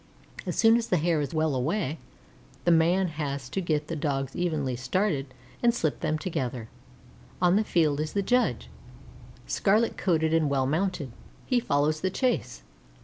As soon as the Hare is well away, the man has to get the Dogs evenly started and slip them together. On the field is the judge, scarlet coated and well mounted. He follows the chase.